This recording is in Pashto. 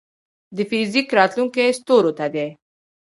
د فزیک راتلونکې ستورو ته ده.